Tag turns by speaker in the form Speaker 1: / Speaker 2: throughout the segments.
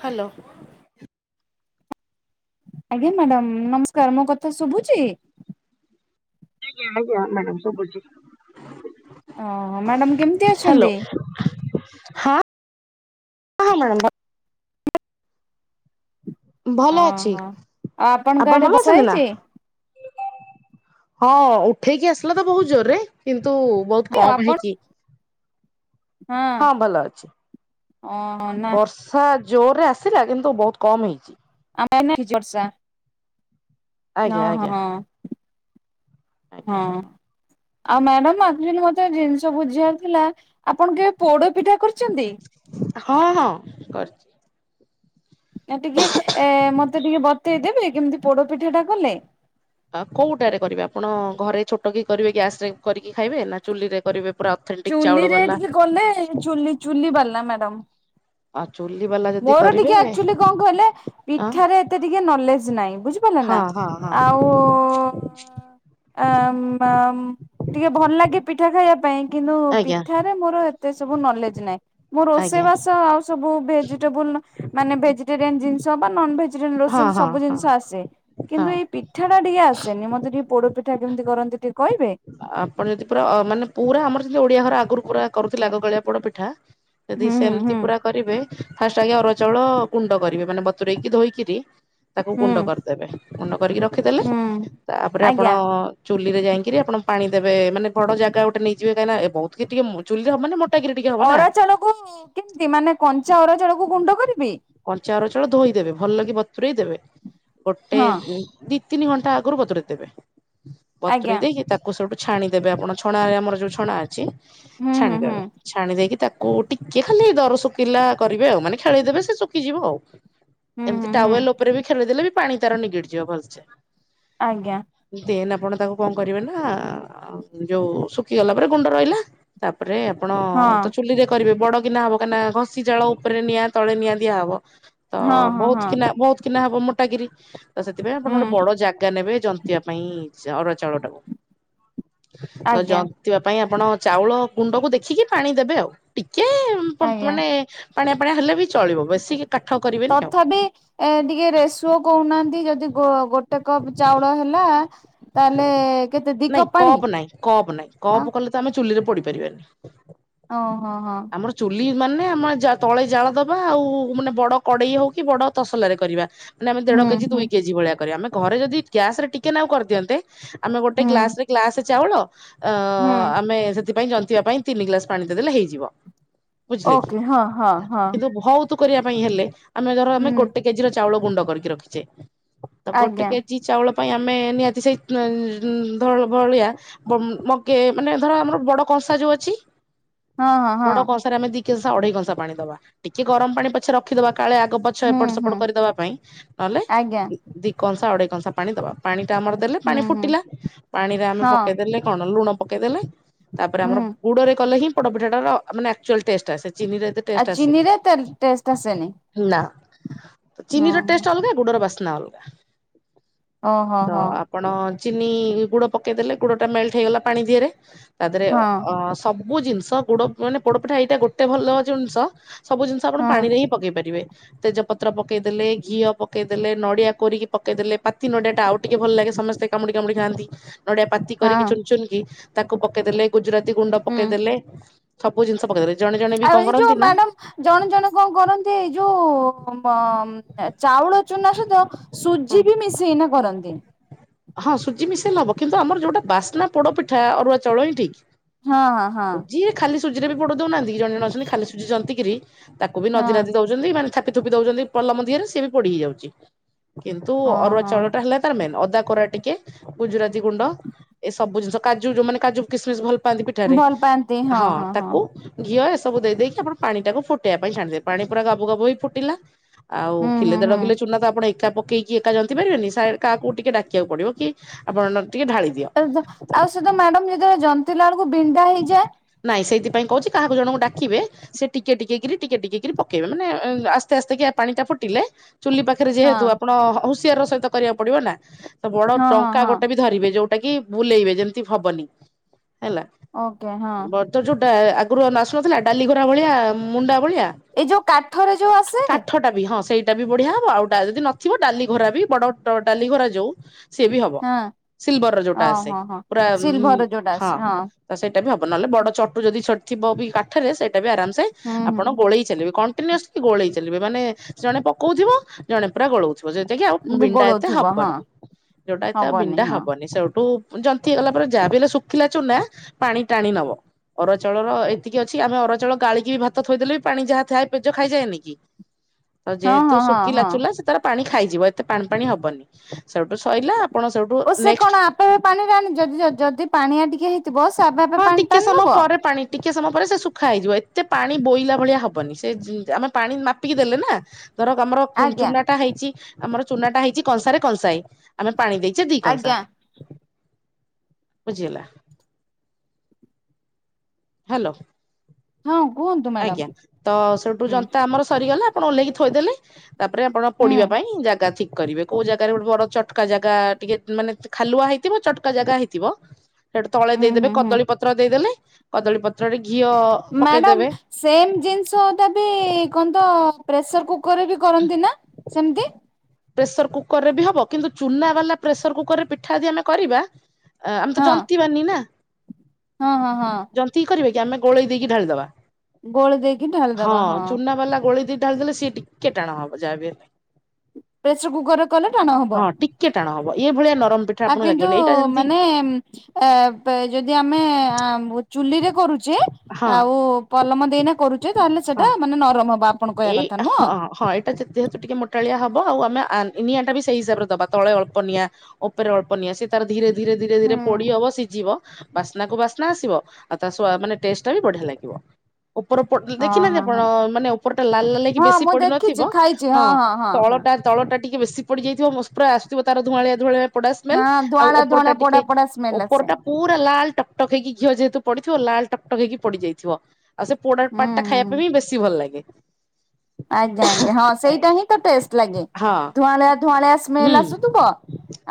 Speaker 1: Hello.
Speaker 2: ଆଜ୍ଞା madam ନମସ୍କାର, ମୋ କଥା ଶୁଭୁଛି?
Speaker 1: ଆଜ୍ଞା ଆଜ୍ଞା ମ୍ୟାଡ଼ାମ ସୁବୁଚି।
Speaker 2: ଓହୋ ମ୍ୟାଡାମ କେମିତି ଅଛନ୍ତି?
Speaker 1: ହାଲୋ ହ [unintelligible] ଭଲ
Speaker 2: ହଁ
Speaker 1: ଅଛି
Speaker 2: ହଁ ଆଉ ଆପଣଙ୍କ
Speaker 1: ଆପଣ
Speaker 2: ଆଡ଼େ
Speaker 1: ଭଲ
Speaker 2: ବସା
Speaker 1: ଅଛନ୍ତି ନା?
Speaker 2: ହେଇଛି?
Speaker 1: ହଁ ଉଠେଇକି ଆସିଲା ତ ବହୁତ ଜୋରରେ କିନ୍ତୁ ବହୁତ
Speaker 2: ଆଉ
Speaker 1: କମ
Speaker 2: ଆପଣ
Speaker 1: ହେଇଚି। ହଁ ଭଲ ଅଛି,
Speaker 2: ଓହୋ ନା
Speaker 1: ବର୍ସ ସା ଜୋରରେ ଆସିଲା କିନ୍ତୁ ବହୁତ କମ୍ ହେଇଛି।
Speaker 2: [unintelligible] ହେଇଚି ବର୍ଷା। ନ
Speaker 1: ଆଜ୍ଞା ଆଜ୍ଞା
Speaker 2: ହଁ ହଁ।
Speaker 1: ଆଜ୍ଞା।
Speaker 2: ଆଉ ମ୍ୟାଡ଼ାମ ଏକ୍ଟୁଲୀ ମତେ ଜିନିଷ ବୁଝିବାର ଥିଲା? ଆପଣ କେବେ ପୋଡ ପିଠା କରିଛନ୍ତି?
Speaker 1: ହଁ ହଁ କରଚି।
Speaker 2: ଆ ଟିକେ ମତେ ଟିକେ ବତେଇଦେବେ କେମତି ପୋଡପିଠା ଟା କଲେ?
Speaker 1: କୋଉଟାରେ କରିବେ ଆପଣ ଘରେ ଛୋଟ କି କରିବେ ଗ୍ୟାସ ରେ କରିକି ଖାଇବେ ନା ଚୁଲି ରେ କରିବେ? ପୁରା ଅଥେଣ୍ଟିକ ଚାଉଳ
Speaker 2: ଚୁଲିରେ
Speaker 1: ବାଲା
Speaker 2: ଟିକେ କଲେ ଚୁଲି ଚୁଲି ବାଲା ମ୍ୟାଡ଼ାମ।
Speaker 1: ଆଉ ଚୁ୍ଲି ବାଲା ଯଦି
Speaker 2: ମୋର
Speaker 1: କରିବେ
Speaker 2: ଟିକେ ଆକ୍ଟୁଲି କଁ କହିଲେ
Speaker 1: ହଁ
Speaker 2: ପିଠାରେ ଏତେ ଟିକେ ନଲେଜ୍ ନାଇଁ ବୁଝିପାରିଲେ ନା
Speaker 1: ହଁ ହଁ ହଁ
Speaker 2: ଆଉ ଓ ଆମ୍ ଆମ୍ ଟିକେ ଭଲ ଲାଗେ ପିଠା ଖାଇବା ପାଇଁ କିନ୍ତୁ
Speaker 1: ଆଜ୍ଞା
Speaker 2: ପିଠାରେ ମୋର ଏତେ ସବୁ ନଲେଜ୍ ନାଇଁ ମୁଁ ରୋଷେଇ
Speaker 1: ଆଜ୍ଞା
Speaker 2: ବାସ ଆଉ ସବୁ ଭେଜେ ଉନ ମାନେ ଭେଜିଟେରିଆନ୍ ଜିନିଷ ବା ନନ୍ ଭିଜିଟେରି
Speaker 1: ହଁ
Speaker 2: ରୋଷେଇ
Speaker 1: ହଁ
Speaker 2: ସବୁ
Speaker 1: ହଁ
Speaker 2: ଜିନିଷ ଆସେ
Speaker 1: ହଁ
Speaker 2: କିନ୍ତୁ ଏଇ ପି ଠାଟା ଟିକେ ଆସେନି ମତେ ଟିକେ ପୋଡ ପିଠା କେମତି କରନ୍ତି ଟିକେ କହିବେ।
Speaker 1: ଆପଣ ଯଦି ପୁରା ଅ ମାନେ ପୁରା ଆମର ଯେନ୍ତି ଓଡିଆ ଘର ଆଗରୁ ପୁରା କରୁଥିଲେ ଆଗ କାଳିଆ ପୋଡ ପିଠା ଯଦି
Speaker 2: ହୁଁ ହୁଁ ହୁଁ
Speaker 1: ସେମତି ପୁରା କରିବେ ଫାଷ୍ ଚାଇଁଆ ଅରୁଆ ଚାଉଳ ଗୁଣ୍ଡ କରିବେ ମାନେ ବତୁରେଇକି ଧୋଇକିରି ତାକୁ
Speaker 2: ହୁଁ
Speaker 1: ଗୁଣ୍ଡ କରିଦେବେ ଗୁଣ୍ଡ କରିକି ରଖିଦେଲେ
Speaker 2: ହୁଁ
Speaker 1: ତାପରେ ଆପଣ
Speaker 2: ଆଜ୍ଞା
Speaker 1: ଚୁଲିରେ ଯାଇଁକିରି ଆପଣ ପାଣି ଦେବେ ମାନେ ବଡ ଜାଗା ଗୋଟେ ନେଇଯିବେ କାହିଁନା ଏ ବୋହୁତ କି ଟିକେ ମୋ ଚୁଲିରେ ହବ ମାନେ ମୋ
Speaker 2: ଅରୁଆ ଚାଉଳକୁ କିମତି ମାନେ କଞ୍ଚା ଅରୁଆ ଚାଉଳକୁ ଗୁଣ୍ଡ କରିବି।
Speaker 1: କଞ୍ଚା ଅରୁଆ ଚାଉଳ ଧୋଇଦେବେ ଭଲ କିି ବତୁରେଇ ଦେବେ ଗୋଟେ
Speaker 2: ହଁ।
Speaker 1: ଉଁ ଦି ତିନି ଘଣ୍ଟା ଆଗୁରୁ ବତୁରେଇ ଦେବେ
Speaker 2: ଆଜ୍ଞା
Speaker 1: ବତୁରେଇ ଦେଇକି କୁ ସେଇଠୁ ଛାଣିଦେବେ ଆପଣ ଛଣାରେ ଆମର ଯୋଉ ଛଣା ଅଛି
Speaker 2: ହୁଁ ହୁଁ ହୁଁ
Speaker 1: ଛାଣିଦେବେ। ଛାଣି ଦେଇକି ତାକୁ ଟିକେ ଖାଲି ଦର ଶୁକିଲା କରିବେ ଆଉ ମାନେ ଖେଳେଇ ଦେବେ ସିଏ ଶୁକିଯିବ ଆଉ।
Speaker 2: ହୁଁ
Speaker 1: ଏମତି
Speaker 2: ହୁଁ ହୁଁ
Speaker 1: ଟାୱେଲ ଓପରେ ବି ଖେଳେଇ ଦେଲେ ବି ପାଣି ତାର ନିଗିଡି ଯିବ ଭଲସେ।
Speaker 2: ଆଜ୍ଞା।
Speaker 1: ଦେନ୍ ଆପଣ ତାକୁ କଁ କରିବେ ନା ଯୋଉ ଶୁଖିଗଲା ପରେ ଗୁଣ୍ଡ ରହିଲା ତାପରେ ଆପଣ
Speaker 2: ହଁ
Speaker 1: ତ ଚୁଲିରେ କରିବେ ବଡ କିିନା ହବ କାହିଁନା ଘଷି ଜାଳ ଉପରେ ନିଆଁ ତଳେ ନିଆଁ ଦିଆ ହବ। ତ
Speaker 2: ହଁ ହଁ
Speaker 1: ବୋହୁତ
Speaker 2: ହଁ
Speaker 1: କିନା ବୋହୁତ କିନା ହବ ମୋଟା କିରି ତ ସେଥିପାଇଁ ଆପଣ ଗୋଟେ
Speaker 2: ହୁଁ
Speaker 1: ବଡ ଜା ଗା ନେବେ ଜନ୍ତିବା ପାଇଁ ଚା ଅରୁଆ ଚାଉଳଟାକୁ। ତ
Speaker 2: ଆଜ୍ଞା
Speaker 1: ଜନ୍ତିବା ପାଇଁ ଆପଣ ଚାଉଳ ଗୁଣ୍ଡକୁ ଦେଖିକି ପାଣି ଦେବେ ଆଉ ଟିକେ ଉଁ [unintelligible]
Speaker 2: ଆଜ୍ଞା
Speaker 1: ମାନେ ପାଣିଆ ପାଣିଆ ହେଲେ ବି ଚଳିବ ବେଶିକି କାଠ କରିବେନି ଆଉ।
Speaker 2: ତଥାପି ଏ ଟିକେ ରେସୁଅ କହୁନାହାନ୍ତି ଯଦି ଗୋ ଗୋଟେ କପ୍ ଚାଉଳ ହେଲା ତାହେଲେ କେତେ ଦି କପ୍ ପାଣି।
Speaker 1: ନାଇଁ କପ୍ ନାଇଁ
Speaker 2: ଆଉ
Speaker 1: କପ୍ କଲେ ତ ଆମେ ଚୁଲିରେ ପୋଡି ପାରିବାନି।
Speaker 2: ଓହୋ ହଁ।
Speaker 1: ଆମର ଚୁଲି ମାନେ ଆମର ଜା ତଳେ ଜାଳ ଦବା ଆଉ ମାନେ ବଡ କଡେଇ ହଉ କି ବଡ ତସଲାରେ କରିବା। ନେ ଆମେ ଦେଢ
Speaker 2: ହୁଁ
Speaker 1: କେଜି
Speaker 2: ହୁଁ
Speaker 1: ଦୁଇ କେଜି ଭଳିଆ କରିବା ଆମେ ଘରେ ଯଦି ଗ୍ୟାସରେ ଟିକେ ନାକୁ କରିଦିଅନ୍ତେ ଆମେ ଗୋଟେ
Speaker 2: ହୁଁ
Speaker 1: ଗ୍ଲାସରେ ଗ୍ଲାସେ ଚାଉଳ ଆ
Speaker 2: ହୁଁ
Speaker 1: ଆମେ ସେଥିପାଇଁ ଜନ୍ତିବା ପାଇଁ ତିନି ଗ୍ଲାସ୍ ପାଣି ଦେଇ ଦେଲେ ହେଇଯିବ ବୁଝିଲେ କି
Speaker 2: ଓକେ ହଁ ହଁ ହଁ
Speaker 1: କିନ୍ତୁ ଭୋଉତ୍ ତୁ କରିବା ପାଇଁ ହେଲେ ଆମେ ଧର ଆମେ
Speaker 2: ହୁଁ
Speaker 1: ଗୋଟେ କେଜିର ଚାଉଳ ଗୁଣ୍ଡ କରିକି ରଖିଛେ ତ ଗୋଟେ
Speaker 2: ଆଜ୍ଞା
Speaker 1: କେ ଜି ଚାଉଳ ପାଇଁ ଆମେ ନିହାତି ସେଇ ଉଁ [unintelligible] ଭଳିଆ ବୋ ଉଁ ମଗେ ମାନେ ଧର ଆମର ବଡ କଂସା ଯୋଉ ଅଛି
Speaker 2: ହଁ ହଁ ହଁ
Speaker 1: ବଡ କଂସାରେ ଆମେ ଦି କେଂସା ଅଢେଇ କଂସା ପାଣି ଦବା ଟିକେ ଗରମ ପାଣି ପଛେ ରଖିଦବା କାଳେ ଆଗ ପଛ
Speaker 2: ହୁଁ
Speaker 1: ଏପଟ ସେପଟ
Speaker 2: ହୁଁ
Speaker 1: କରି ଦବା ପାଇଁ ନହେଲେ
Speaker 2: ଆଜ୍ଞା
Speaker 1: ଉଁ ଦି କଂସା ଅଢେଇ କଂସା ପାଣି ଦବା ପାଣିଟା ଆମର ଦେଲେ
Speaker 2: ହୁଁ
Speaker 1: ପାଣି
Speaker 2: ହୁଁ
Speaker 1: ଫୁଟିଲା ପାଣିରେ ଆମେ
Speaker 2: ହଁ
Speaker 1: ପକେଇ ଦେଲେ କଣ ଲୁଣ ପକେଇ ଦେଲେ ତାପରେ ଆମର
Speaker 2: ହୁଁ
Speaker 1: ଗୁଡରେ କଲେ ହିଁ ପୋଡପିଠାଟାର ଆ ମାନେ ଆକ୍ଚୁଆଲ୍ ଟେଷ୍ଟ ଆସେ ଚିନିରେ ଏତେ
Speaker 2: ଆଉ
Speaker 1: ଟେଷ୍ଟ ଆସେନି ହେ
Speaker 2: ଚିନିରେ ତେ ଟେଷ୍ଟ ଆସେନି
Speaker 1: ନା ତ
Speaker 2: ହଁ
Speaker 1: ଚିନିର ଟେଷ୍ଟ ଅଲଗା। ଗୁଡର ବାସ୍ନା ଅଲଗା
Speaker 2: ଓହୋ ହୋ
Speaker 1: ଆ ପଣ ଚିନି ଗୁଡ ପକେଇ ଦେଲେ ଗୁଡଟା ମେଲ୍ଟ ହେଇଗଲା ପାଣି ଧିଏରେ ତା ଧିଏରେ ଅ
Speaker 2: ହଁ
Speaker 1: ଅ ସବୁ ସବୁ ଜିନିଷ ଗୁଡ ମାନେ ପୋଡପିଠା ଏଇଟା ଗୋଟେ ଭଲ ଜିନିଷ ସବୁ ଜିନିଷ ଆପଣ
Speaker 2: ହଁ
Speaker 1: ପାଣିରେ ହିଁ ପକେଇ ପାରିବେ। ତେଜପତ୍ର ପକେଇଦେଲେ ଘିଅ ପକେଇ ଦେଲେ ନଡିଆ କୋରିକି ପକେଇ ଦେଲେ ପାତି ନଡିଆ ଟା ଆଉ ଟିକେ ଭଲ ଲାଗେ ସମସ୍ତେ କାମୁଡି କାମୁଡି ଖାନ୍ତି। ନଡିଆ ପାତି
Speaker 2: ହଁ
Speaker 1: କରିକି ଚୁନ ଚୁନ କି ତାକୁ ପକେଦେଲେ ଗୁଜୁରାତି ଗୁଣ୍ଡ ପକେଦେଲେ। ସବୁ ଜିନିଷ ପକେଦେବେ।
Speaker 2: ଆରେ ଏ ଯୋଉ ମ୍ୟାଡ଼ାମ ଜଣେ ଜଣେ ଙ୍କ କରନ୍ତି ଏଇ ଯୋଉ ମ ତା ଚାଉଳ ଚୁନା ସହିତ ସୁଜି ବି ମିଶେଇନା କରନ୍ତି।
Speaker 1: ହଁ ସୁଜି ମିଶେଇଲେ ହବ କିନ୍ତୁ ଆମର ଯୋଉଟା ବାସ୍ନା ପୋଡ ପିଠା ଅରୁଆ ଚଉଳ ହିଁ ଠିକ୍।
Speaker 2: ହଁ ହଁ ହଁ।
Speaker 1: ସୁଜିରେ ଖାଲି ସୁଜିରେ ବି ପୋଡ଼ ଦଉନାହାନ୍ତି କି ଜଣେ ଜଣ ଅଛନ୍ତି ଖାଲି ସୁଜି ଜନ୍ତି କିିରି ତାକୁ ବି ନଦୀ ନଦୀ ଦଉଚନ୍ତି ମାନେ ଥାପି ଥୋପି ଦଉଚନ୍ତି ପଲମ ଦିହରେ ସିଏ ବି ପୋଡି ହେଇଯାଉଚି। କିନ୍ତୁ
Speaker 2: ହଁ
Speaker 1: ଅରୁଆ
Speaker 2: ହଁ
Speaker 1: ଚାଉଳ
Speaker 2: ହଁ
Speaker 1: ଟା ହେଲା ତାର ମେନ୍ ଅଦା ପୁର ଟିକେ ଗୁଜୁରାତି ଗୁଣ୍ଡ ଏ ସବୁ ଜିନିଷ କାଜୁ ଯଉମାନେ କାଜୁ କିସମିସ୍ ଭ ପକାନ୍ତି ପିଠାରେ ହଁ ତାକୁ ଘିଅ ଏସବୁ ଦେଇ ଦେଇକି ଆପଣ ପାଣି ଟାକୁ ଫୁଟେଇବା ପାଇଁ ଛାଣିଦେବେ ପାଣି ପୁରା ଗାବୁ ଗାବୁ ହେଇ ଫୁଟିଲା। ଆଉ
Speaker 2: ହୁଁ
Speaker 1: କିଲେ
Speaker 2: ହୁଁ
Speaker 1: ଦେଢ
Speaker 2: ହୁଁ।
Speaker 1: କିଲେ ଚୁନା ତ ଆପଣ ଏକା ପକେଇକି ଏକା ଜନ୍ତି ପାରିବେନି ସା କାକୁ ଟିକେ ଡା ଦେକିଆକୁ ପଡ଼ିବକି ଆପଣ ନହେଲେ ଟିକେ ଢାଳି ଦିଅ। ତ
Speaker 2: ସେତ ଆଉ ସେ ତ ମ୍ୟାଡମ ଯେତବେଳେ ଜନ୍ତିିଲାଳକୁ ବିଣ୍ଡା ହେଇଯାଏ
Speaker 1: ନାଇ ସେଇଥିପାଇ କହୁଚି କାହାକୁ ଜଣଙ୍କୁ ଡାକିବେ। ସେ ଟିକେ ଟିକେକିରି ଟିକେ ଟିକେକିରି ପକେଇବେ ମାନେ ଆସ୍ତେ ଆସ୍ତେ କି ପାଣି ଟା ଫୁଟିଲେ ଚୁଲି ପା ଖେରେ ଯେହେତୁ
Speaker 2: ହଁ
Speaker 1: ଆପଣ ହ୍ ହୁସିଆର ର ସହିତ କରିବାକୁ ପଡିବ ନା ତ ବଡ
Speaker 2: ହଁ ହଁ
Speaker 1: ଟଙ୍କା
Speaker 2: ହଁ
Speaker 1: ଗୋଟେ ବି ସେ ଧରିବେ ଯୋଉଟା କି ବୁଲେଇବେ ଯେମତି ହବନି ହେଲା।
Speaker 2: ଓକେ ହଁ।
Speaker 1: ତ ଯୋଉଟା ଆଗୁରୁ ନା ଆସୁନଥିଲା ଡାଲି ଘୋରା ଭଳିଆ ମୁଣ୍ଡା ଭଳିଆ।
Speaker 2: ଏ ଯୋଉ କାଠରେ ଯୋଉ ଆସେ
Speaker 1: ଟାବି ହଁ ସେଇଟା ବି ବଢିଆ ହବ ଆଉ ଡା ଯଦି ନଥିବ ଡାଲି ଘୋରା ବି ବଡ ଡ ଡାଲି ଘୋରା ଯୋଉ ସିଏ ବି ହବ
Speaker 2: ହଁ
Speaker 1: ସିଲଭର ର ଯୋଉଟା ଆସେ
Speaker 2: ଓହୋ ହଁ
Speaker 1: ପୁରା ଉଁ
Speaker 2: ସିଲଭର ଯୋଉଟା
Speaker 1: ହଁ।
Speaker 2: ଆସେ
Speaker 1: ତ ସେଇଟା ବି ହବ ନହେଲେ ବଡ ଚଟୁ ଯଦି ଛୋ ଥିବ ବି କାଠରେ ସେଇଟା ବି ଆରାମସେ
Speaker 2: ହୁଁ
Speaker 1: ଆପଣ
Speaker 2: ହୁଁ।
Speaker 1: ଗୋଳେଇ ଚାଲିବେ କଣ ଟିନସଲ୍ୟି ଗୋଳେଇ ଚାଲିବେ ମାନେ ସେ ଜଣେ ପକଉଥିବ ଜଣେ ପୁରା ଗୋଳଉଥିବ। ପୋଜେ ଜେଇକି କି ଆଉ ବିଣ୍ଡା ଏତେ
Speaker 2: ଗୋଳଉଥିବ ହଁ
Speaker 1: ହବନି ଯୋଉଟା ଏତେ ଆଉ
Speaker 2: ହବନି
Speaker 1: ବିଣ୍ଡା
Speaker 2: ହଁ
Speaker 1: ହବନି ସେଇଠୁ ଉଁ ଯନ୍ତି ହେଇଗଲା ପରେ ଯାହା ବି ହେଲେ ଶୁଖିଲା ଚୁନା ପାଣି ଟାଣି ନବ। ଅରୁଆ ଚାଉଳର ଏତିକି ଅଛି ଆମେ ଅରୁଆ ଚଉଳ ଗାଳିକି ବି ଭାତ ଥୋଇଦେଲେ ବି ପାଣି ଯାହା ଥାଏ ପେଜ ଖାଇଯାଏନି କି। ତ
Speaker 2: ହଁ
Speaker 1: ଯେହେତୁ
Speaker 2: ହଁ ହଁ
Speaker 1: ଶୁଖିଲା
Speaker 2: ହଁ।
Speaker 1: ଚୁଲା ସେ ତାର ପାଣି ଖାଇଯିବ ଏତେ ପାଣି ପାଣି ହବନି ସେଇଠୁ ସଇଲେ
Speaker 2: ଓ ସେ କଣ ଆପେ ପାଣିରା ନିଜେ ଜ ଯଦି ପାଣିଆ ଟିକେ ହେଇଥିବ ସେ ଆପେ ଆପେ
Speaker 1: ହଁ
Speaker 2: ପାଣି
Speaker 1: ଟିକେ
Speaker 2: ଟାନ
Speaker 1: ସମୟ
Speaker 2: ନବ
Speaker 1: ପରେ ପାଣି ଟିକେ ସମୟ ପରେ ସେ ଶୁଖା ହେଇଯିବ ଏତେ ପାଣି ବୋଇଲା ଭଳିଆ ହବନି ସେ ଯେ ଆମେ ପାଣି ମାପିକି ଦେଲେ ନା। ଧର ଗମଡ କୁ କୁନ୍
Speaker 2: ଆଜ୍ଞା
Speaker 1: ଚୁନାଟା ହେଇଚି ଆମର ଚୁନାଟା ହେଇଛି କଂସାରେ କଂସାଏ ଆମେ ପାଣି ଦେଇଚେ ଦି କଂସା
Speaker 2: ଆଜ୍ଞା
Speaker 1: ବୁଝିହେଲା। ହାଲୋ।
Speaker 2: ହଁ କୁହନ୍ତୁ। ମ୍ୟାଡାମ
Speaker 1: ଆଜ୍ଞା ତ ସେଠୁ
Speaker 2: ହୁଁ
Speaker 1: ଜନ୍ତା ଆମର ସରିଗଲା ଆପଣ ଓହ୍ଲେଇକି ଥୋଇଦେଲେ। ତାପରେ ଆପଣ
Speaker 2: ହୁଁ
Speaker 1: ପୋଡିବା ପାଇଁ ଜାଗା ଠିକ୍ କରିବେ। କୋଉ ଜାଗାରେ ଗୋଟେ ବଡ ଚଟକା ଜାଗା ଟିକେ ମାନେ ଖାଲୁଆ ହେଇଥିବ ଚଟକା ଜାଗା ହେଇଥିବ ହେଟୁ ତଳେ
Speaker 2: ହୁଁ
Speaker 1: ଦେଇଦେବେ
Speaker 2: ହୁଁ ହୁଁ
Speaker 1: କଦଳୀ ପତ୍ର ଦେଇଦେଲେ କଦଳୀ ପତ୍ରରେ ଘିଅ ପକେଇଦେବେ
Speaker 2: ମ୍ୟାଡ଼ାମ ସେମ୍ ଜିନିଷଟା ବି ଙ୍କ ତ ପ୍ରେସର କୁକରରେ ବି କରନ୍ତି ନା ସେମିତି?
Speaker 1: ପ୍ରେସର କୁକର ରେ ବି ହବ କିନ୍ତୁ ଚୁନା ବାଲା ପ୍ରେସର କୁକରରେ ପିଠା ଯଦି ଆମେ କରିବା ଆମେ ତ
Speaker 2: ହଁ
Speaker 1: ଜନ୍ତିବାନି ନା
Speaker 2: ହଁ ହଁ ହଁ
Speaker 1: ଜନ୍ତିକି କରବାକି ଆମେ ଗୋଳେଇ ଦେଇକି ଢାଳିଦବା।
Speaker 2: ଗୋଳି ଦେଇକି ଢାଳିଦବା
Speaker 1: ହଁ ଚୁନା ବାଲା ଗୋଳି ଦି ଢାଳିଦଲେ ସିଏ ଟିକେ ଟାଣ ହବ ଯାହା ବି ହେ
Speaker 2: ପ୍ରେସର କୁକରରେ କଲେ ଟାଣ ହବ।
Speaker 1: କେେ ଟାଣ ହବ ଏଇ ଭଳିଆ ନରମ ପେ
Speaker 2: ଆ କିନ୍ତୁ ମାନେ ଯଦି ଆମେ ଚୁଲିରେ କରୁଛୁ। ଯେ
Speaker 1: ହଁ
Speaker 2: ଆଉ ପଲମ ଦେଇନା କରୁଛେ ତାହେଲେ
Speaker 1: ହଁ।
Speaker 2: ସେଟା ମାନେ ନରମ ହବ ଆପଣ କହିବା କଥା ନୁହଁ।
Speaker 1: ଯେତେତୁ ଟିକେ ମୋଟାଳିଆ ହବ ଆଉ ଆମେ ନିଆଁ ଟା ବି ସେଇ ହିସାବରେ ଦବା ତଳେ ଅଳ୍ପ ନିଆଁ ଉପରେ ଅଳ୍ପ ନିଆ ସେ ତାର ଧୀରେ ଧୀରେ ଧୀରେ
Speaker 2: ହୁଁ
Speaker 1: ଧୀରେ ପଡି ହବ ସିଝିବ ବାସ୍ନା କୁ ବାସ୍ନା ଆସିବ ଆଉ ତା ମାନେ ଟେଷ୍ଟ ଟା ବି ବଢିଆ ଲାଗିବ। ଉପର
Speaker 2: ହଁ
Speaker 1: ଦେଖିନାହାନ୍ତି
Speaker 2: ହଁ
Speaker 1: ଆପଣ
Speaker 2: ହଁ
Speaker 1: ମାନେ ଉପର ଟା ଲାଲ ଲା ଲକି
Speaker 2: ହଁ
Speaker 1: ବେଶୀ
Speaker 2: ମୁଁ
Speaker 1: ପଡି ନଥିବ।
Speaker 2: ଦେଖିଛି ଖାଇଛି
Speaker 1: ହଁ
Speaker 2: ହଁ।
Speaker 1: ତଳଟା ତଳଟା ଟିକେ ବେଶୀ ପୋଡିଯାଇଥିବ ମ ପୁରା ଆସିଥିବ ତାର ଧୂଆଳିଆ ଧୂଆଳିଆ- ପୋଡା ସ୍ମେଲ
Speaker 2: ହଁ
Speaker 1: ଆଉ
Speaker 2: ଧୂଆଁଳା
Speaker 1: ଉପରଟା
Speaker 2: ଧୂଆଁଳା
Speaker 1: ଟିକେ
Speaker 2: ପୋଡା ପୋଡା ସ୍ମେଲ ଆସେ
Speaker 1: ଉପରଟା ପୁରା ଲାଲ ଟକ୍ଟକ ହେଇକି ଘିଅ ଯେହେତୁ ପଡିଥିବ ଲାଲ ଟକ୍ଟକ ହେଇକି ପଡିଯାଇଥିବ। ଆଉ ସେ ପୋଡା
Speaker 2: ହୁଁ
Speaker 1: ପାଟ ଟା ଖାଇବା ପାଇଁ
Speaker 2: ହୁଁ।
Speaker 1: ବି ବେଶୀ ଭଲ ଲାଗେ।
Speaker 2: ଆଜ୍ଞା ଆଜ୍ଞା ହଁ ସେଇଟା
Speaker 1: ଆଜ୍ଞା
Speaker 2: ହିଁ ତ ଟେଷ୍ଟ ଲାଗେ
Speaker 1: ହଁ
Speaker 2: ଧୂଆଁଳିଆ ଧୁଆଁଳିଆ
Speaker 1: ହୁଁ
Speaker 2: ସ୍ମେଲ ଆସୁଥିବ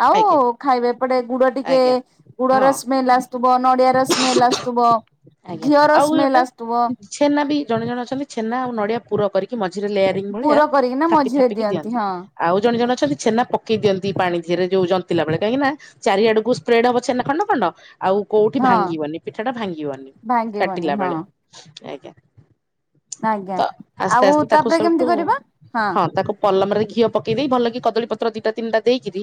Speaker 2: ଆଉ
Speaker 1: ଆଜ୍ଞା
Speaker 2: ଖାଇବେ ଏପଟେ ଗୁଡ ଟିକେ
Speaker 1: ଆଜ୍ଞା
Speaker 2: ଗୁଡର
Speaker 1: ହଁ
Speaker 2: ସ୍ମେଲ ଆସୁ ଆଥିବ ନଡିଆ ର ସ୍ମେଲ ଆସୁଥିବ
Speaker 1: ଆଜ୍ଞା
Speaker 2: ଘିଅ ର
Speaker 1: ଆଉ
Speaker 2: ସ୍ମେଲ
Speaker 1: ଗୋଟେ
Speaker 2: ଆସୁଥିବ।
Speaker 1: ଛେନା ବି ଜଣେ ଜଣ ଅଛନ୍ତି ଛେନା ଆଉ ନଡିଆ ପୁର କରିକି ମଝିରେ ଲେଆ ଭଳିଆ
Speaker 2: ପୁର କରିକିନା
Speaker 1: ଥାପି
Speaker 2: ମଝିରେ
Speaker 1: ଥାପିକି ଦିଅନ୍ତି।
Speaker 2: ହଁ
Speaker 1: ଆଉ ଜଣେ ଜଣ ଅଛନ୍ତି ଛେନା ପକେଇ ଦିଅନ୍ତି ପାଣି [unintelligible] ଯୋଉ ଜନ୍ତିଲା ବେଳେ କାହିଁକି ନା ଚାରିଆଡକୁ ସ୍ପ୍ରେଡ଼ ହବ ଛେନା ଖଣ୍ଡ ଖଣ୍ଡ। ଆଉ କୋଉଠି
Speaker 2: ହଁ।
Speaker 1: ଭାଙ୍ଗିବନି ପିଠା ଟା ଭାଙ୍ଗିବନି
Speaker 2: ଭାଙ୍ଗିବନି
Speaker 1: କାଟିଲା
Speaker 2: ହଁ
Speaker 1: ବେଳେ ଆଜ୍ଞା।
Speaker 2: ଆଜ୍ଞା।
Speaker 1: ତ ଆସ୍ତେ
Speaker 2: ଆଉ
Speaker 1: ଆସ୍ତେ ତାକୁ
Speaker 2: ତାପରେ କେମିତି
Speaker 1: ସେବଠୁ
Speaker 2: କରିବା
Speaker 1: ହଁ ତାକୁ ପଲମରେ ଘିଅ ପକେଇ ଦେଇ ଭଲ କି କଦଳୀପତ୍ର ଦିଟା ତିନିଟା ଦେଇକିରି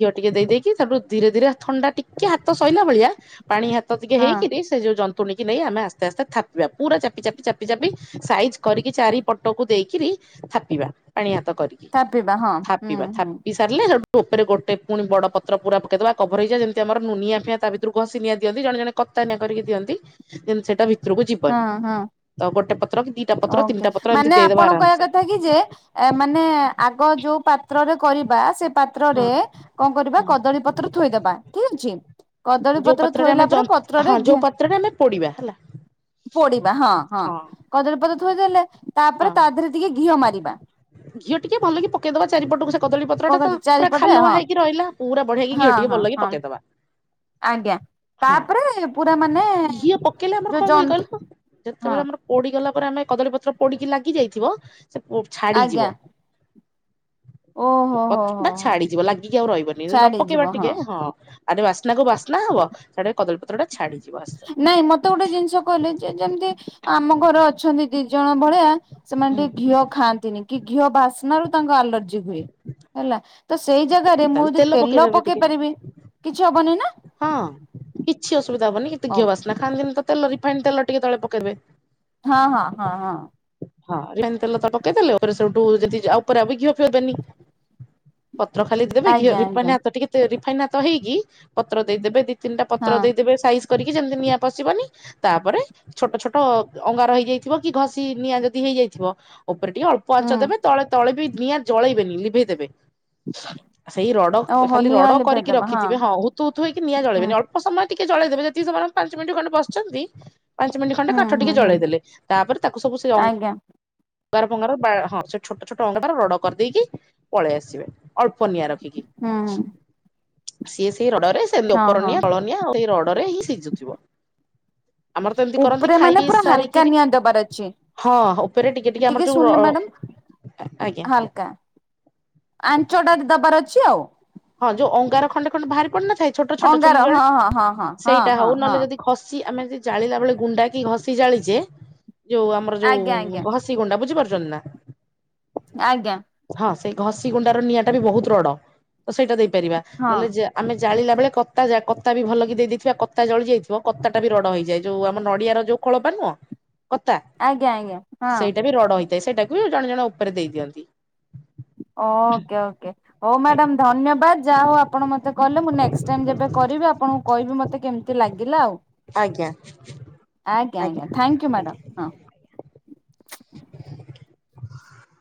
Speaker 1: ଘିଅ ଟିକେ ଦେଇେଇକି ତାପୁ ଧୀରେ ଧୀରେ ଥଣ୍ଡା ଟିକେ ହାତ ସୋଇଲା ଭଳିଆ ପାଣି ହାତ ଟିକେ
Speaker 2: ହଁ
Speaker 1: ହେଇକିରି ଯୋଉ ଜନ୍ତୁଣୀ ନେଇ ଆମେ ଆସ୍ତେ ଆସ୍ତେ ଥାପିବା। ପୁରା ଚାପି ଚାପି ଚାପି ଚାପି ସାଇଜ୍ କରିକି ଚାରି ପଟକୁ ଦେଇକରି ଥାପିବା ପାଣି ହାତ କରିକି।
Speaker 2: ଥାପିବା ହଁ ହୁଁ
Speaker 1: ଥାପିବା
Speaker 2: ହୁଁ।
Speaker 1: ଥାପି ସାରିଲେୁ ଉପରେ ଗୋଟେ ପୁଣି ବଡ଼ ପତ୍ର ପକେଇଦବା କଭର ହେଇଯ ଯେମତିମର ନିଆ ଫିଆ ତା ଭିତରୁକୁ ଘଷି ନିଆଁ ଦିଅନ୍ତି ଜଣେ ଜଣେ କତା ନିଆଁ କରିକି ଦିଅନ୍ତି ଯେ ସେଟା ଭିତରକୁ
Speaker 2: ହଁ
Speaker 1: ଯିବନି।
Speaker 2: ହଁ
Speaker 1: ତ ଗୋଟେ ପତ୍ର ଦି
Speaker 2: ଓକେ ମାନେ ଆପଣ କହିବା କଥା କି ଯେ ଏ ମାନେ ଆଗ ଯୋଉ ପାତ୍ରରେ କରିବା ସେ ପ
Speaker 1: ହଁ
Speaker 2: ପତ୍ରରେ କଣ
Speaker 1: ହଁ।
Speaker 2: କରିବା କଦଳୀ ପତ୍ର ଥୋଇଦବା। ଠିକ ଅଛି କଦଳୀ
Speaker 1: ଯୋଉ
Speaker 2: ପତ୍ର
Speaker 1: ପତ୍ରରେ
Speaker 2: ଥୋଇଲା
Speaker 1: ଆମେ
Speaker 2: ପରେ
Speaker 1: ଜନ୍ତ
Speaker 2: ପତ୍ରରେ
Speaker 1: ହଁ
Speaker 2: ଘି
Speaker 1: ଯୋଉ ପାତ୍ରରେ ଆମେ ପୋଡିବା। ହେଲା
Speaker 2: ପୋଡିବା ହଁ ହଁ କଦଳୀ ପତ୍ର ଥୋଇଦେଲେ
Speaker 1: ହଁ
Speaker 2: ତାପରେ ତା ଦେହରେ ଟିକେ ଘିଅ ମାରିବା।
Speaker 1: ଘିଅ ଟିକେ ଭଲ କି ପେଇଦବା ଚାରିପଟକୁ। କଦଳୀ
Speaker 2: କଣ
Speaker 1: ପତ୍ରଟା ତ
Speaker 2: କହନ୍ତି
Speaker 1: ପୁରା
Speaker 2: ଚାରିପଟେ ହଁ
Speaker 1: ଖାଲୁଆହେଇକି ରହିଲା। ପୁରା ବଢିଆକି
Speaker 2: ହଁ
Speaker 1: ଘିଅ ଟିକେ
Speaker 2: ହଁ
Speaker 1: ଭଲକି
Speaker 2: ହଁ
Speaker 1: ପକେଇଦବା
Speaker 2: ଆଜ୍ଞା
Speaker 1: ହଁ
Speaker 2: ତାପରେ ପୁରା ମାନେ
Speaker 1: ଘିଅ ପକେଇଲେ ଆମର
Speaker 2: ଯୋଉ
Speaker 1: କଣ
Speaker 2: ଜ
Speaker 1: ହୁଏ କହିଲ
Speaker 2: ହଁ
Speaker 1: ଯେତେବେଳେ ଆମର ପୋଡିଗଲା ପରେ ଆମେ କଦଳୀ ପତ୍ର ପୋଡିକି ଲାଗି ଯାଇଥିବ ସେ ଛାଡିଯିବ।
Speaker 2: ଆଜ୍ଞା ଓହୋ ହୋ ହୋ
Speaker 1: ପତ୍ରଟା ଛାଡିଯିବ ଲାଗିକି ଆଉ ରହିବନି ନ ପକେଇବା ଟିକେ ହଁ ଆରେ ବାସ୍ନା କୁ ବାସ୍ନା ହବ ସେଆଡେ କଦଳୀ ପତ୍ରଟା ଛାଡିଯିବ। ଆସ୍ତେ
Speaker 2: ନାଇଁ ମତେ ଗୋଟେ ଜିନିଷ କହିଲେ ଯେ ଯେମିତି ଆମ ଘରେ ଅଛନ୍ତି ଦି ଜଣ ଭଳିଆ। ସେମାନେ
Speaker 1: ହୁଁ
Speaker 2: ଟିକେ ଘିଅ ଖାଆନ୍ତିନି କି ଘିଅ ବାସ୍ନ ରୁ ତାଙ୍କର ଆଲର୍ଜି ହୁଏ। ହେଲା ତ ସେଇ ଜାଗାରେ ମୁଁ
Speaker 1: ତାହେଲେ
Speaker 2: ଯଦି ତେଲ
Speaker 1: ପକେଇଦେବେ ଟିକେ
Speaker 2: ପକେଇ ପାରିବି କିଛି ହବନି ନା?
Speaker 1: ହଁ କିଛି ଅସୁବିଧା ହବନି। କିନ୍ତୁ ଘିଅ
Speaker 2: ଓକେ
Speaker 1: ବାସିନା ଖାନ୍ତିିନି ତେଲ ରିଫାଇନ୍ ତେଲ ଟିକେ ତଳେ ପକେଇବେ।
Speaker 2: ହଁ ହଁ ହଁ ହଁ
Speaker 1: ହଁ ରିଫାଇନ୍ ତେଲ ତ ପକେଇ ଦେଲେ। ଓପରେ ସେଇଠୁ ଯଦି ଆଉ ଉପରେ ଆଉ ଘିଅ ଫିଏ ହେବେନି। ପତ୍ର ଖାଲି ଦେବେ। ଘିଅ
Speaker 2: ଆଜ୍ଞା
Speaker 1: ରିଫାଇନ୍
Speaker 2: ଆଜ୍ଞା
Speaker 1: ରେ ହାତ ଟିକେ ତେ, ରିଫାଇନ୍ ହାତ ହେଇକି ପତ୍ର ଦେଇଦେବେ ଦି ତିନିଟା ପତ୍ର
Speaker 2: ହଁ
Speaker 1: ଦେଇ ଦେବେ ସାଇ କରି ଯେମତି ନିଆଁ ପଶିବନି। ତାପରେ ଛୋଟ ଛୋଟ ଅଙ୍ଗାର ହେଇଯାଇଥିବ କି ଘଷି ନିଆଁ ହେଇଯାଇଥିବ। ଉପରେ ଟିକେ ଅଳ୍ପ ଆଞ୍ଚ
Speaker 2: ହୁଁ
Speaker 1: ଦେବେ ତଳେ ତଳେ ବି ନିଆଁ ଜଳେଇବେନି ଲିଭେଇ ଦେବେ। ସେଇ ଡ
Speaker 2: ଓହୋ
Speaker 1: ଖାଲି ରଡ
Speaker 2: ନିଆଁ
Speaker 1: କରିକି
Speaker 2: ଲିଭେଇଦବ
Speaker 1: ରଖିଥିବେ। ହଁ ହତୁହୁତୁ ହେଇକି ନିଆଁ
Speaker 2: ହୁଁ
Speaker 1: ଜାଳେଇବେନି ଅଳ୍ ଳ୍ପ ସମୟ ଟିକେ ଜଳେଇ ଦେବେ। ଯେଦକି ସେମାନେ ପାଞ୍ଚ ମିନିଟ୍ ଖଣ୍ଡେ ବସିଛନ୍ତି ପାଞ୍ଚ ମିନିଟ୍ ଖଣ୍ଡେ
Speaker 2: ହୁଁ
Speaker 1: କାଠ
Speaker 2: ହୁଁ
Speaker 1: ଟିକେ
Speaker 2: ହୁଁ
Speaker 1: ଜଳେଇ ଦେଲେ। ତାପରେ ତାକୁ ସବୁ ସେ ଅଁ
Speaker 2: ଆଜ୍ଞା
Speaker 1: ଅଙ୍ଗାର ଫଙ୍ଗାର, ବା ହଁ ସେ ଛୋଟ ଛୋଟ ଅଙ୍ଗାର ରଡ କରିଦେଇକି ପଳେଇ ଆସିବେ। ଅଳ୍ପ ନିଆଁ ରଖିକି।
Speaker 2: ହୁଁଁ।
Speaker 1: ସିଏ ସେଇ ରଡରେ ସେମତି
Speaker 2: ହଁ
Speaker 1: ଉପର
Speaker 2: ହଁ
Speaker 1: ନିଆଁ ତଳ ନିଆଁ ସେଇ ରଡରେ ହିଁ ସିଝୁଥିବ। ଆମର ତ ଏମିତି କରନ୍ତି
Speaker 2: ଉପରେ ମାନେ
Speaker 1: ଖାଇ
Speaker 2: ପୁରା ହାଲକା
Speaker 1: ସାରିକିରି,
Speaker 2: ନିଆଁ ଦବାର ଅଛି।
Speaker 1: ହଁ ଉପରେ ଟିକେ କେ ଟିକେ ଆମର ଯୋଉ -ଆଜ୍ଞା।
Speaker 2: କା ଆଞ୍ଚଟା ଦବାର ଅଛି ଆଉ।
Speaker 1: ହଁ ଯୋଉ ଅଙ୍ଗାର ଖଣ୍ଡେ ଖଣ୍ଡ ବାହାରି ପଡି ନଥାଏ? ଛୋଟ ଛୋଟ
Speaker 2: ଅଙ୍ଗାର
Speaker 1: ଚୁଲି
Speaker 2: ହଁ
Speaker 1: ଜଳେ,
Speaker 2: ହଁ ହଁ ହଁ ହଁ
Speaker 1: ସେଇଟା
Speaker 2: ହଁ
Speaker 1: ହୋଉ
Speaker 2: ହଁ
Speaker 1: ନହେଲେ ଯଦି ଘଷି ଆମେ ଯ ଜାଳିଲା ବେଳେ ଗୁଣ୍ଡା କି ଘଷି ଜାଳିଛେ। ଯୋଉ ଆମର ଯୋଉ
Speaker 2: ଆଜ୍ଞା
Speaker 1: ଘ ଘଷି ଗୁଣ୍ଡା ବୁଝିପାରୁଛନ୍ତି ନା?
Speaker 2: ଆଜ୍ଞା।
Speaker 1: ହଁ ସେଇ ଘଷି ଗୁଣ୍ଡାର ନିଆଁ ଟା ବି ବୋହୁତ୍ ରଡ, ତ ସେଇଟା ଦେଇପାରିବା।
Speaker 2: ହଁ
Speaker 1: ନହେଲେ ଆମେ ଜାଳିଲା ବେଳେ କତା କତା ବି ଭଲ କିି ଦେଇଥିବା କତା ଜଳି ଯାଇଥିବ କତାଟା ବି ରଡ ହେଇଯାଏ। ଯୋଉ ଆମ ନଡିଆର ଯୋଉ ଖୋଳପା ନୁହଁ, କତା
Speaker 2: ଆଜ୍ଞା ଆଜ୍ଞା ହଁ
Speaker 1: ସେଇଟା ବି ରଡ ହେଇ ସେଇଟାକୁ ବି ଜଣେ ଜଣ ଉପରେ ଦେଇ ଦିଅନ୍ତି।
Speaker 2: ଓ ଓକେ, ଓକେ। ହୋଉ
Speaker 1: ଆଜ୍ଞା
Speaker 2: ମ୍ୟାଡମ୍ ଧନ୍ୟବାଦ୍ ଯାହା ହୋଉ ଆପଣ ମତେ କହିଲେ। ମୁଁ ନେଷ୍ଟ ଟାଇମ୍ ଯେବେ କରିବି ଆପଣଙ୍କୁ କହିବୁ ମତେ କେମିତି ଲାଗିଲା ଆଉ?
Speaker 1: ଆଜ୍ଞା।
Speaker 2: ଆଜ୍ଞା ଆଜ୍ଞା, ଥ୍ୟାଙ୍କୟୁ ମ୍ୟାଡ଼ମ୍ ହଁ।